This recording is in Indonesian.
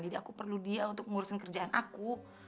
jadi aku perlu dia untuk ngurusin kerjaan aku